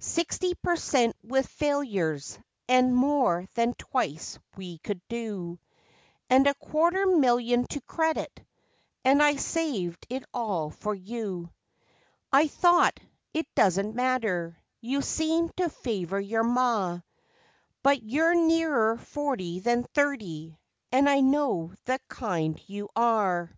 Sixty per cent with failures, and more than twice we could do, And a quarter million to credit, and I saved it all for you. I thought it doesn't matter you seemed to favour your ma, But you're nearer forty than thirty, and I know the kind you are.